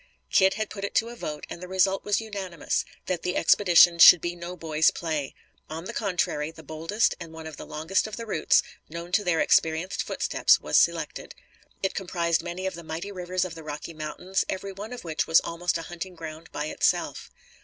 Kit had put it to vote and the result was unanimous, that the expedition should be no boy's play. On the contrary, the boldest and one of the longest of the routes, known to their experienced footsteps, was selected. It comprised many of the mighty rivers of the Rocky Mountains, every one of which was almost a hunting ground by itself.